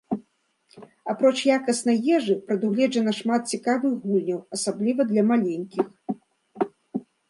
Апроч якаснай ежы прадугледжана шмат цікавых гульняў, асабліва для маленькіх.